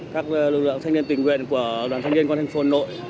các lực lượng thanh niên tình nguyện của đoàn thanh niên con thành phố nội